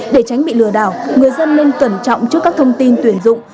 để tránh bị lừa đảo người dân nên cẩn trọng trước các thông tin tuyển dụng